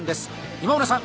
今村さん